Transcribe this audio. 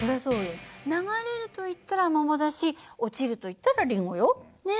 流れるといったら桃だし落ちるといったらリンゴよ。ね！